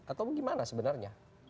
atau gimana sebenarnya